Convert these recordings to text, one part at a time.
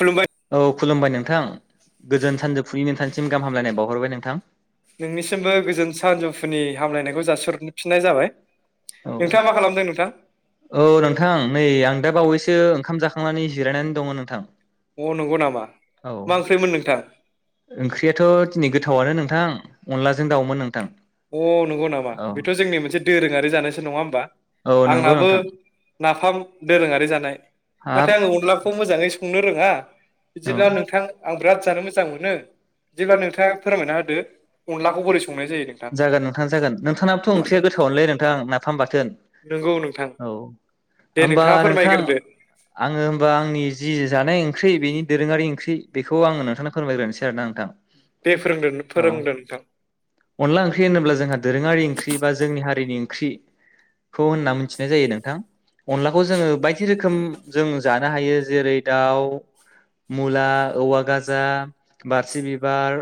खुलुमबाय औ खुलुमबाय नोंथां गोजोन सानजौफुनि नोंथांसिम गाहाम हामलायनाय बावहरबाय नोंथां नोंनिसिमबो गोजोन सानजौफुनि गाहाम हामलायनायखौ जासिहरफिननाय जाबाय। नोंथाङा मा खालामदों नोंथां औ औ नोंथां नै आं दा बावैसो ओंखाम जाखांनानै जिरायनानै दङ' नोंथां अ नंगौ नामा? औ । मा ओंख्रिमोन नोंथां? ओंख्रियाथ' दिनै गोथावानो नोंथां अनलाजों दाउमोन नोंथां। अ नंगौ नामा औ बेथ' जोंनि मोनसे दोरोङारि जानायसो नङा होमबा औ नंगौ आंनाबो नोंथां नाफाम दोरोङारि जानाय हाब नाथाय आङो अनलाखौ मोजाङै संनो रोङा बिदिब्ला नोंथां आं बिराद जानो मोजां मोनो बिदिब्ला नोंथाङा फोरमायना होदो अनलाखौ बोरै संनाय जायो नोंथां? जागोन नोंथां जागोन। नोंथाङाबाथ' ओंख्रिया गोथावआनोलै नोंथां नाफाम बाथोन । नोंगौ नोंथां। औ। दे होमबा नोंथाङा नोंथां फोरमायग्रोदो आङो ओमबा आंनि जि जानाय ओंख्रि बेनि दोरोङारि ओंख्रि बेखौ आङो नोंथां फोरमायग्रोन सै आरोना नोंथां। दे फोरोंदो [unintelligible] औ फोरोंदो नोंथां अनला ओंख्रि होनोब्ला जोंहा दोरोङारि ओंख्रि बा जोंनि हारिनि ख्रि खौ होनना मिथिनाय जायो नोंथां अनलाखौ जोङो बायदि रोखोम जों जानो हायो जेरै आव । मुला औवा गाजा बारसि बिबार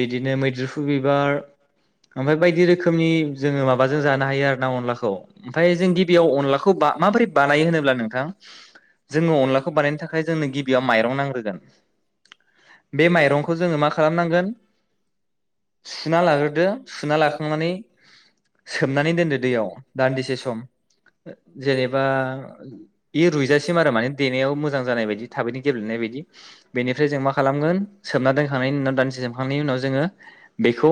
बिदिनो मैद्रुफु बिबार ओमफाय बायदि रोखोमनि जोङो माबाजों जानो हायो आरो ना अनलाखौ ओमफाय जों गिबियाव अनलाखौ बा माबोरै बानायो होनोब्ला नोंथां जोङो अनलाखौ बानायनो था आइ जोंनो गिबियाव माइरं नांग्रोगोन बे माइरंखौ जोङो मा खालामनांगोन सुना लाग्रोदो सुना लाखांनानै सोमनानै दोनदो दैयाव दान्दिसे सम जेनेबा बे रुइजासिम आरो माने देनायाव मो जां जानाय बायदि थाबैनो गेब्लेनाय बायदि बेनिफ्राय जों मा खालामगोन सोमना दोनखांनायनि उनाव दानदिसे सोबखांनायनि उनाव जोङो बेखौ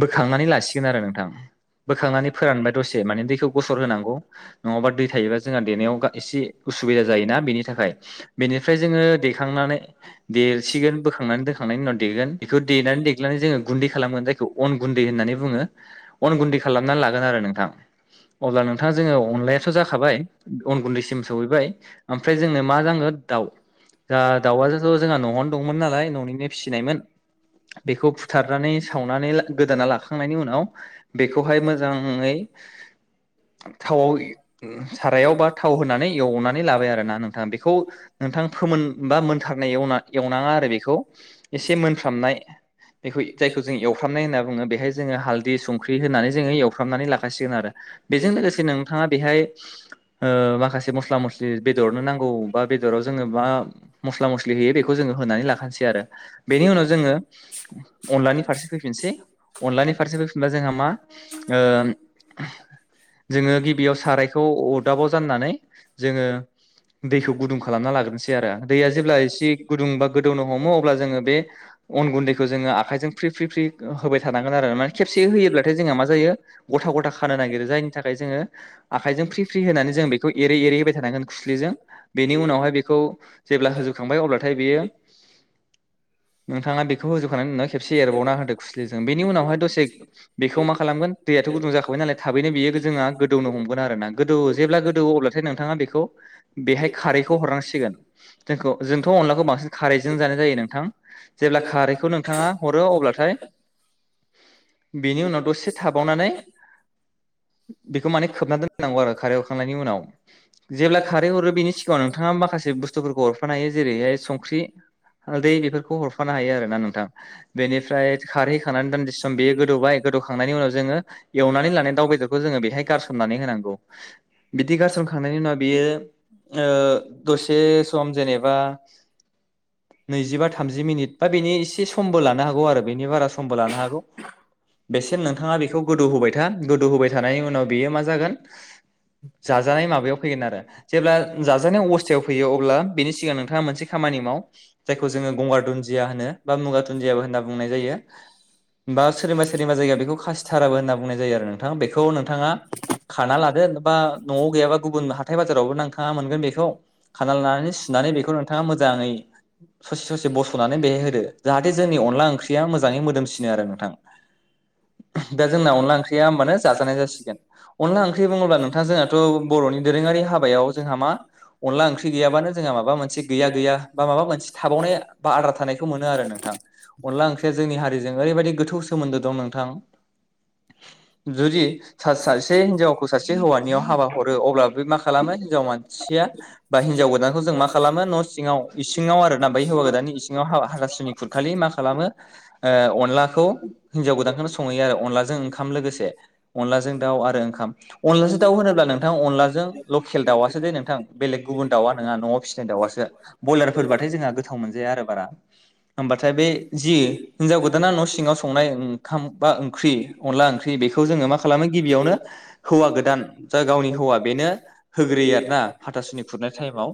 बोखांनानै लासिगोन आरो नोंथां बोखांनानै फोरानबाय दसे माने दैखौ गसर होनांगौ नङाबा दै थायोबा जोंहा देनायाव एसे उसुबिदा जायोना बेनि थाखाय बेनिफ्राय जोङो देखांनानै देरसिगोन बोखांनानै दोन खांनायनि उनाव देगोन इखो देनानै देग्लिनानै जोङो गुन्दै खालामगोन जायखौ अन गुन्दै होन्नानै बुङो अन गुनदै खालामना लागोन आरो नोंथां अब्ला नोंथां जोङो अनलाया थ' जाखाबाय अन गुन्दैस सिम सौहैबाय ओमफ्राय जोंनो मा जाङो दाउ जाहा दाउआसोथ' जोंहा न'आवनो दंमोन नालाय न'निनो फिसिनायमोन बेखौ फु थारनानै सावनानै गोदाना लाखांनायनि उनाव [inaudible] बेखौहाय मोजाङै थावआव सारायाव बा थाव होनानै एवनानै लाबाय आरोना नों थां बेखौ नोंथां फोमोन बा मोनथारनाय एवना-एवनाङा आरो बेखौ एसे मोनफ्रामनाय बे खौ जायखौ जों एउफ्रामनाय होनना बुङो बेहाय जोङो हालदि संख्रि होनानै जोङो एवफ्रामनानै लाखासिगोन आरो बेजों लोगोसे नोंथाङा बेहाय ओ माखासे मस्ला-मस्लि बेदरावनो नां गौ बा बेदराव जोङो मा मस्ला मस्लि होयो बेखौ जोङो होनानै लाखानोसै आरो बेनि उनाव जोङो अनलानि फारसे फैफिनसै अनलानि फारसे फैफिनबा जोंहा मा ओ जोङो गिबियाव सारायखौ अरदाबाव जाननानै जोङो दैखौ गुदुं खालामना लाग्रोनोसै आरो दैया जेब्ला एसे गुदुं बा गोदौनो हमो अब्ला जोङो बे अन गुन्दैखौ जोङो आखाइजों फ्रि फ्रि फ्रि होबाय थानांगोन आरो माने खेबसे होयोब्लाथाय जोंहा मा जायो गथा गथा खानो नागिरो जायनि थाखाय जोङो आखाइजों फ्रि फ्रि होनानै जों बेखौ एरै एरै होबाय थानांगोन खुस्लिजों। बेनि उनावहाय बेखौ जेब्ला होजोबखांबाय अब्लाथाय बेयो नोंथाङा बेखौ होजोबखांनायनि उनाव खेबसे एरबावना होदो खुस्लिजों बेनि उनावहाय दसे बेखौ मा खालामगोन दैयाथ' गुदुं जाखाबाय नालाय थाबैनो बेयो जोंहा गोदौनो हमगोन आरो ना गोदौयो जेब्ला गोदौयो अब्लाथाय नोंथाङा बेखौ बेहाय खारैखौ हरनांसिगोन जोंखौ जोंथ' अनलाखौ बांसिन खारैजों जानाय जायो नोंथां जेब्ला खारैखौ नोंथाङा हरो अब्लाथाय बेनि उनाव दसे थाबावनानै बेखौ माने खोबनानै दोननांगौ आरो खारै हरखांनायनि उनाव जेब्ला खारै हरो बिनि सिगाङाव नोंथाङा माखासे बुस्थुफोरखौ हरफानो हायो जेरैहाय संख्रि हालदै बेफोरखौ हरफानो हायो आरो ना नोंथां बेनिफ्राय खारै होखांनानै दान्दिसे सम बेयो गोदौबाय गोदौखांनायनि उनाव जोङो एवनानै लानाय दाउ बेदरखौ जोङो बेहाय गारसोमनानै होनांगौ बिदि गारसोमखांनायनि उनाव बियो ओ दसे सम जेनेबा नैजिबा थामजि मिनिट बा बेनि एसे समबो लानो हागौ आरो बेनि बारा समबो लानो हागौ बेसिम नोंथाङा बेखौ गोदौ होबाय था गोदौ होबाय थानायनि उनाव बेयो मा जागोन जाजानाय माबायाव फैगोन आरो। जेब्ला जाजानाय अबस्थायाव फैयो अब्ला बेनि सिगां नोंथाङा मोनसे खामानि माव जायखौ जोङो गंगार दुन्जिया होनो बा मुगा दुुन्दियाबो होनना बुंनाय जायो बा सोरनिबा सोरनिबा जायगायाव बेखौ खासिथाराबो होनना बुंनाय जायो आरो नोंथाङा बेखौ नोंथाङा खाना लादो बा न'आव गैयाबा गुबुन हाथाय बा जारावबो नोंथांआ मोनगोन बेखौ खाना लानानै सुनानै बेखौ नोंथाङा मोजाङै ससे ससे बस'नानै बेहाय होदो जाहाथे जोंनि अनला ओंख्रिया मोजाङै मोदोमसिनो आरो नोंथां दा जोंना अनला ओंख्रिया होमबानो जाजानाय जासिगोन अनला ओंख्रि बुङोब्ला नोंथाङा जोंआथ' बर'नि दोरोंआरि हाब बायाव जोंहा मा अनला ओंख्रि गैयाबानो जोंहा माबा मोनसे गैया गैया बा माबा मोनसे थाबावनाय बा आद्रा थानायखौ मोनो आरो नोंथां अनला ओंख्रिया जोंनि हारिजों ओरैबायदि गोथौ सोमोन्दो दं नोंथां जुदि सा-सासे हिनजावखौ सासे हौवानियाव हाबा हरो अब्ला बे माखा खालामो हिनजाव मानसिया बा हिन्जाव गोदानखौ जों मा खालामो न' सिङाव इसिङाव आरो ना बै हौवा गोदाननि इसिङाव हा-हाथासुनि खुरखालि मा खालामो ओ अनलाखौ हिनजाव गोदानखौनो संहैयो आरो अनलाजों ओंखाम लोगोसे अनलाजों दाउ आरो ओंखाम अनलाजों दाउ होनोब्ला नोंथां अनलाजों लकेल दाउआसो दे नोंथां बेलेग गुबुन दाउआ नङा न'आव फिसिनाय दाउआसो ब्रयलारफोरबाथाय जोंहा गोथाव मोनजाया आरो बारा होमबाथाय बे जि हिनजाव गोदाना न' सिङाव संनाय ओंखाम बा ओंख्रि अनला ओंख्रि बेखौ जोङो मा खालामो गिबियावनो हौवा गोदान जा गावनि हौवा बेनो होग्रोयो आरोना हाथासुनि खुरनाय टाइमाव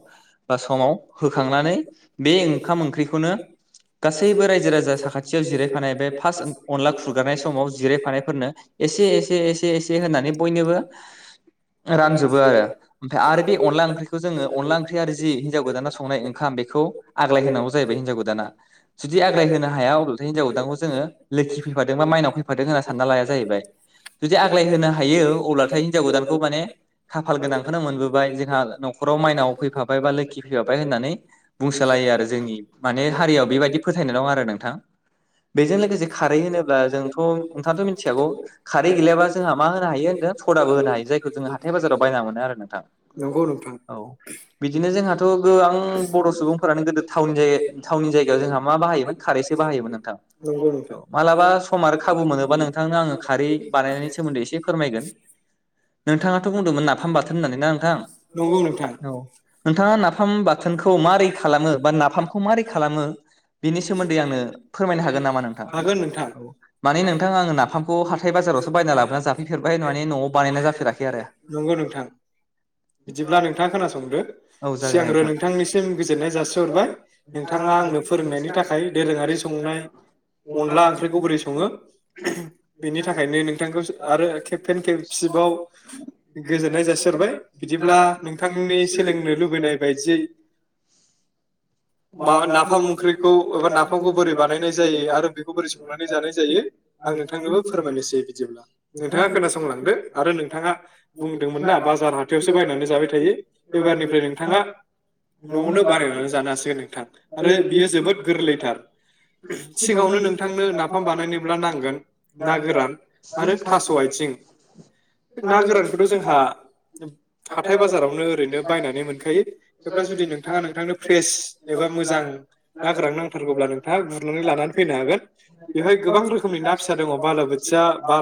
बा समाव होखांनानै बे ओंखाम ओंख्रिखौनो गासैबो रायजो राजा साखाथियाव जिराय फानाय बे फास अनला खुरगारनाय समाव जिरायफानायफोरनो एसे एसे एसे एसे होनानै बयनोबो रानजोबो आरो। ओमफाय आरो बे अनला ओंख्रिखौ जोङो अनला ओंख्रि आरो जि हिन्जाव गोदाना संनाय ओंखाम बेखौ आग्लाय होनांगौ जाहैबाय हिन्जाव गोदाना जुदि आग्लाय होनो हाया अब्लाथाय हिन्जाव गोदानखौ जोङो लोखि फैफादों बा मायनाव फैफादों होनना सानना लाया जाहैबाय जुदि आग्लाय होनो हायो अब्लाथाय हिनजाव गोदानखौ माने खाफाल गोनां खोनो मोनबोबाय जोंहा न'खराव माइनाव फैफाबाय बा लोखि फैफाबाय होननानै बुंसोलायो आरो जोंनि माने हारियाव बेबायदि फोथायनाय दं आरो नोंथां बेजों लोगोसे खारै होनोब्ला जोंथ' नोंथांथ' मिथिखागौ खारै गैलियाबा जोंहा मा होनो हायो होन्दों सदाबो होनो हायो जायखौ जोंङो हाथाय बाजाराव बायना मोनो आरो । नोंथां नंगौ नोंथां औ बिदिनो जोंहाथ' गोबां बर' सुबुंफोरानो गोदो थावनि जायगायाव थावनि जायगायाव जोंहा मा बाहायोमोन खारैसो बाहायोमोन नोंथां नंगौ नोंथां औ मालाबा सम आरो खाबु मोनोबा नोंथांनो आङो खारै बानायनायनि सोमोन्दै एसे फोरमायगोन नोंथाङाथ' बुंदोंमोन नाफाम बाथोन होननानै ना नोंथां? नोंगौ नोंथां औ। नोंथाङा नाफाम बाथोनखौ मारै खालामो बा नाफामखौ मारै खालामो बेनि सोमोन्दै आंनो फोरमायनो हागोन नामा? नोंथां हागोन नोंथां औ माने नोंथां आङो नाफामखौ हाथाय बाजारावसो बायना लाबोना जाफैफेरबाय होन माने न'आव बानायना जाफेराखै आरो। नंगौ नोंथां बिदिब्ला नोंथाङा खोनासंदो औ जागोन दे सिगांग्रो नोंथां नोंथांनिसिम गोजोननाय जासिहरबाय नोंथाङा आंनो फोरोंनायनि थाखाय दोरोङारि संनाय अनला ओंख्रिखौ बोरै सङो बेनि थाखायनो नोंथांखौ आरो खेब फेन खेबसिबाव गोजोननाय जासिहरबाय। बिदिब्ला नोंथांनि सोलोंनो लुबैनाय बायदियै मा नाफाम ओंख्रिखौ ओ नाफामखौ बोरै बानायनाय जायो आरो बेखौ बोरै संनानै जानाय जायो आं नोंथांनोबो फोरमायनोसै बिदिब्ला नोंथाङा खोनासंलांदो आरो नोंथाङा बुंदोंमोन ना बाजार हा बायनानै जाबाय थायो एबारनिफ्राय नोंथाङा न'आवनो बानायनानै जानसै आरो बियो जोबोद गोरलैथार सिगाङावनो नोंथांनो नाफाम बानायनोब्ला नांगोन ना गोरान आरो थास' आथिं ना गोरानखौथ' जोंहा हाथाय बाजारावनो ओरैनो बायनानै मोनखायो हेब्ला जुदि नोंथाङा नोंथांनो फ्रेस एबा मोजां ना गोरान नांथारगौब्ला नोंथाङा गुरनानै लानानै फैनो हागोन बेवहाय गोबां रोखोमनि ना फिसा दङ बालाबोोथिया बा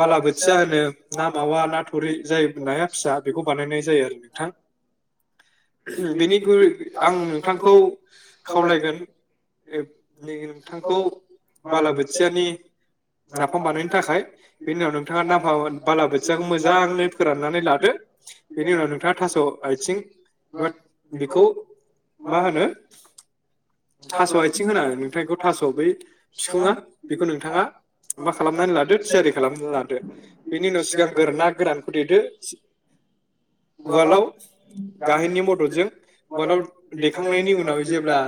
बालाबोोथिया होनो ना मावा ना थुरि जायोनाया फि बेखौ बानायनाय जायो आरो नोंथनि आं नोंथां खौ खावलायगोन न नोंथांखौ बालाबोथियानि नाफाम बानायनो थाखाय बेनि उनाव नोंथाङा नाफा बालाबोोथियाखौ मोजाङनो फोराननानै ला बेनि उनाव नोंथाङा थास' आथिं एबा बेखौ मा होनो थास' आथिं होना नोंथांखौ थास' बै बिखुङा बेखौ नोंथाङा मा खालामनानै लादो थियारि खालामनानै लादो बेनि उनाव सिगां गोरा गोरानखौ देदो उवालाव गाहायनि मददजों उवालाव दैेखांनायनि उनाव जेब्ला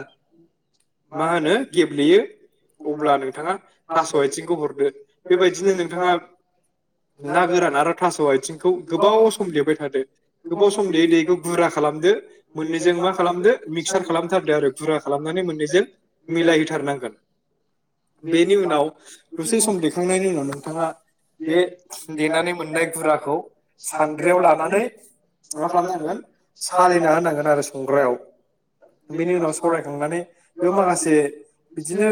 मा होनो गेब्लेयो अब्ला नोंथाङा थास' आथिंखौ हरदो बेबायदिनो नोंथाङा ना गोरान आरो थास' आथिंखौ गोबाव सम लेबाय थ गोबाव सम लेै दैखौ गुरा खालामदो मोननैजों मा खालाम मिसार [unintelligible] खुद्रियाव लानानै मा खालाम नांगोन सालिना होनांगोन आरो संग्रायाव बेनि उनाव सावरायखांनानै बेयाव माखासे बिदिनो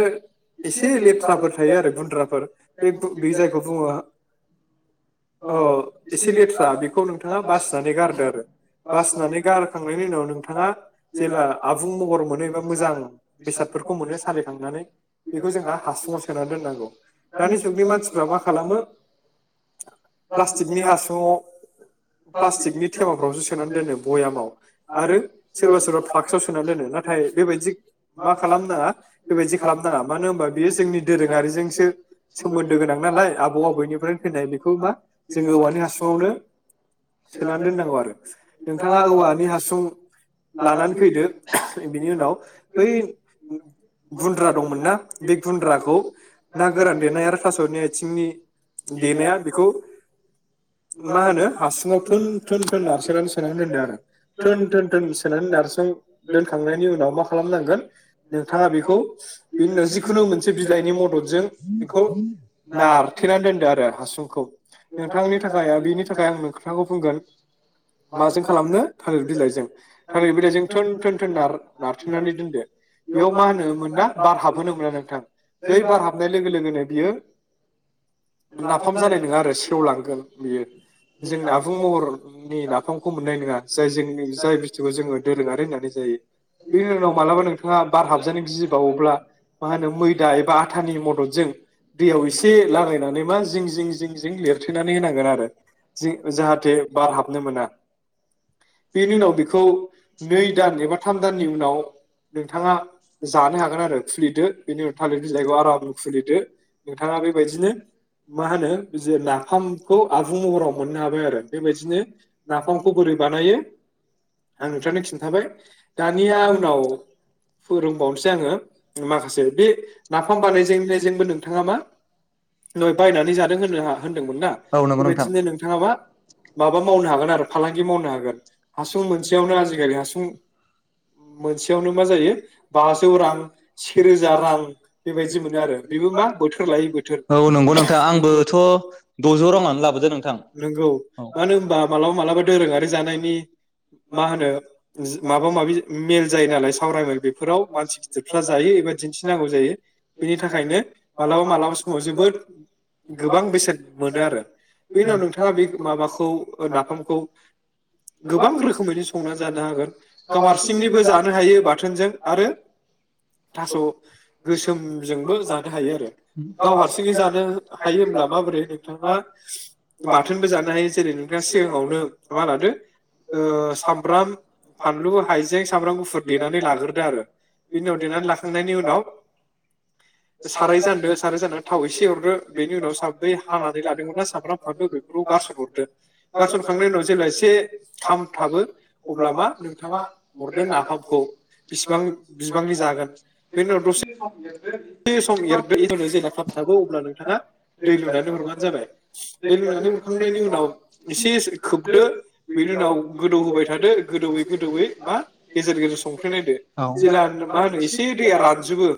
एसे लेथ्राफोर थायो आरो गुन्द्राफोर बे बे जायखौ बुङो अ एसे लेथ्रा बे खौ नोंथाङा बासिनानै गारदो आरो बासिनानै गारखांनायनि उनाव नोंथाङा जेब्ला आबुं महर मोनो एबा मोजां बेसादफोरखौ मोनो सालिखांनानै बेखौ जोंहा हासुुङाव सोना दोननांगौ दानि जुगनि मानसिफ्रा मा खालामो प्लास्टिकनि हासुुंङाव प्लास्टिकनि थेमाफ्रावसो सोनानै दोनो भयामाव आरो सोरबा सोरबा फ्लाक्सआव सोनानै दोनो नाथाय बेबायदि मा खालामनााङा बेबायदि खालामनााङा मानो होनबा बेयो जोंनि दोरोङारिजोंसो सोमोन्दो गोनां नालाय आबौ आबौनिफ्रायनो फैनाय बेखौ मा जोङो औवानि हासुङावनो सोनानै दोननांगौ आरो नोंथाङा औवानि हासुं लानानै फैदो बेनि उनाव बै गुन्द्रा दंमोन ना बे गुन्द्राखौ ना गोरान देनाय आरो थास'नि आथिंनि देनाया बेखौ मा होनो हासुङाव थोन थोन थोन नारसोनानै सोनानै दोनदो आरो थोन थोन थोन सोनानै नारसोन दोनखांनायनि उनाव मा खालामनांगोन नोंथाङा बेखौ बिनि उनाव जिखुनु मोनसे बिलाइनि मददजों बेखौ नारथेनानै दोनदो आरो हासुंखौ नोंथांनि थाखाय आ बिनि थाखाय आं खोथाखौ बुंगोन माजों खालामनो थालिर बिलाइजों थालिर बिलाइजों थोन थोन थोन नार नारथुनानै दोनदो बेयाव मा होनोमोना बार हाबहोनो मोना नोंथां जै बार हाबनाय लोगो लोगोनो बियो नाफाम जानाय नोङा आरो सेवलांगोन बियो। जों आबुं महरनि नाफामखौ मोननाय नङा जायजों जाय बुस्थुखौ जोङो दोरोङारि होननानै जायो बेनि उनाव मालाबा नोंथाङा बार हाबजानो गिबावोब्ला मा होनो मैदा एबा आथानि मददजों दैयाव एसे लागायना मा जिं जिं जिं जिं लिरथेनानै होनांगोन आरो। जि जाहाथे बार हाबनो मोना बेनि उनाव बेखौ नै दान एबा थाम दाननि उनाव नोंथाङा जानो हागोन आरो खुलिदो बेनि उनाव थालिर बिलाइखौ आराम खुलिदो नोंथाङा बेबायदिनो मा होनो जे नाफामखौ आबुं महराव मोननो हाबाय आरो बेबायदिनो नाफामखौ बोरै बानायो आं नोंथांनो खिन्थाबाय दानिया उनाव फोरोंबावनोसै आङो माखासे बे नाफाम बानायजनायजोंबो नोंथाङा मा [unintelligible] बायनानै जादों होन होनदोंमोन ना बेबायदिनो नों थाङा मा माबा मावनो हागोन आरो फालांगि मावनो हागोन हासुं मोनसेयावनो आजिखालि हासुं मोनसेयावनो मा जायो बाजौ रां सेेरोजा रां बेबायदि मोनो आरो बेबो मा बोथोर लायै बोथोर। औ नंगौ नोंथां नंगौ आंबोथ' द'जौ रांआवनो लाबोदो नोंथां। नंगौ मानो होनबा मालाबा मालाबा दोरोङारि जानायनि मा होनो माबा-माबि मेल जायो नालाय सावरायमेल बेफोराव मानसि गिदिरफ्रा जायो एबा दिन्थिनांगौ जायो बेनि थाखायनो मालाबा मालाबा समाव जोबोद गोबां बेसेन मोनो आरो बे उनाव नोंथां नोंथाङा बे माबाखौ नाफामखौ गोबां रोख रोखोमैनो संनानै जानो हागोन गाव हारसिंनिबो जानो हायो बाथोनजों आरो थास' गोसोमजोंबो जानो हायो आरो गाव हारसिङै जानो हायो होनब्ला माबोरै नोंथाङा बाथोनबो जानो हायो जेरै नोंथाङा सिगाङावनो मा लादो ओ सामब्राम फानलु हाइजें सामब्राम गुफुर देनानै लाग्रोदो आरो बेनि उनाव देनानै लाखांनायनि उनाव साराय जानदो साराय जानानै थाव एसे हरदो बेनि उनाव साब्रै हानानै लादोंब्ला सामब्राम [unintelligible] बेफोराव गारसनहरदो गारसनखांनायनि उनाव जेब्ला एसे खाम खामो अब्ला मा नोंथाङा हरगोन नाफामखौ बिसेबां बिसेबांनि जागोन बेनि उनाव दसे एसे सम एरदो एरना जेब्ला खामथाबो अब्ला नोंथाङा दै लुनानै हरबानो जाबाय दै लुनानै हरखांनायनि उनाव एसे खोबदो बेनि उनाव गोदौ होबाय थादो गोदौवै गोदौवै मा गेजेर गेजेर संख्रि नायदो जेब्ला मा होनो एसे दैया रानजोबो